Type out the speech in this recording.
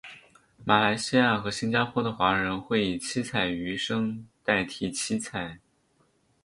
马来西亚和新加坡的华人会以七彩鱼生代替七菜。